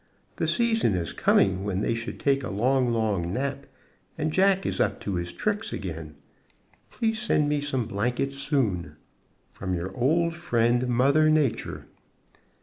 The season is coming when they should take a long, long nap, and Jack is up to his tricks again. Please send me some blankets soon. From your old friend, Mother Nature.